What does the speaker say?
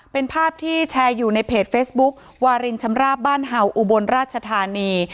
เป็นภาพที่แชร์อยู่ในเพจเฟซบุ๊ควารินชำราบบ้านเห่าอุบลราชธานี